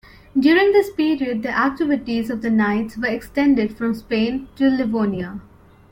During this period the activities of the Knights were extended from Spain to Livonia.